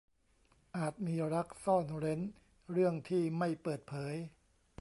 อาจมีรักซ่อนเร้นเรื่องที่ไม่เปิดเผย